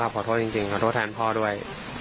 เป็นเฉลย